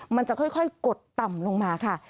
มันจะค่อยกดต่ำลงมาค่ะ